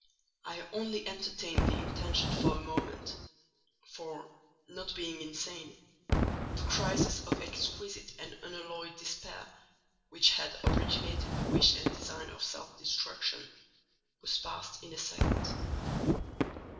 I only entertained the intention for a moment; for, not being insane, the crisis of exquisite and unalloyed despair, which had originated the wish and design of self destruction, was past in a second.